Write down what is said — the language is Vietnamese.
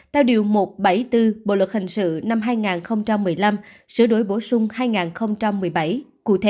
theo điều một trăm bảy mươi bốn bộ luật hình sự năm hai nghìn một mươi năm sửa đổi bổ sung hai nghìn một mươi bảy cụ thể